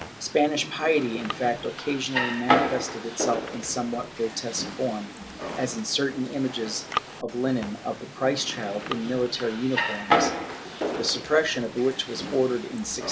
* Spanish piety, in fact, occasionally manifested itself in somewhat grotesque form, as in certain images on linen of the Christ child, in military uniforms, the suppression of which was ordered in 1619.